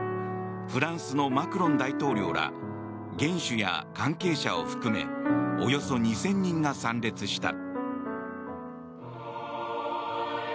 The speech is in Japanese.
フランスのマクロン大統領ら元首や関係者を含めおよそ２０００人が参列した。